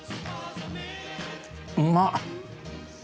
うまっ！